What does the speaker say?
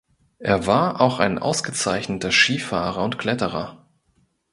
Er war auch ein ausgezeichneter Skifahrer und Kletterer.